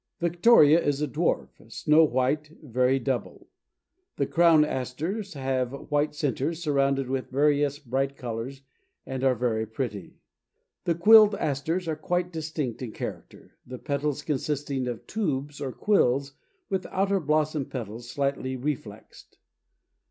Victoria is a dwarf; snow white, very double. The Crown Asters have white centers surrounded with various bright colors, and are very pretty. The Quilled Asters are quite distinct in character, the petals consisting of tubes or quills with outer blossom petals slightly reflexed.